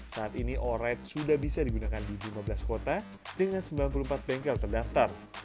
saat ini oride sudah bisa digunakan di lima belas kota dengan sembilan puluh empat bengkel terdaftar